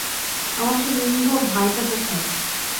আমার সেই নিরীহ ভাইটা কোথায়?